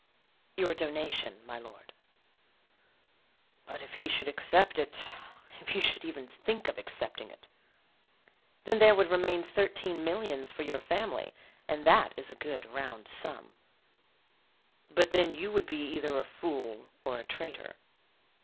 "Your donation, my lord." "But, if he should accept it; if he should even think of accepting it!" "Then there would remain thirteen millions for your family, and that is a good round sum." "But then you would be either a fool or a traitor."